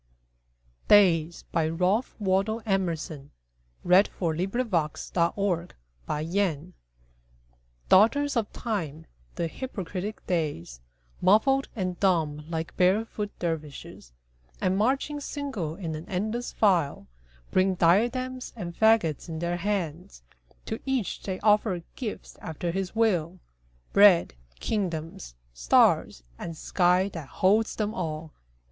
t work, The frolic architecture of snow. Ralph Waldo Emerson Days DAUGHTERS of Time, the hypocritic Days, Muffled and dumb like barefoot dervishes, And marching single in an endless file, Bring diadems and faggots in their hands. To each they offer gifts after his will, Bread, kingdoms, stars, and sky that holds them all.